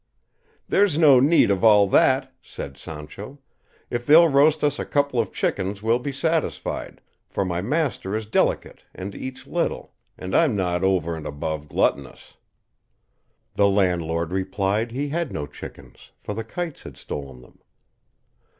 "There's no need of all that," said Sancho; "if they'll roast us a couple of chickens we'll be satisfied, for my master is delicate and eats little, and I'm not over and above gluttonous." The landlord replied he had no chickens, for the kites had stolen them.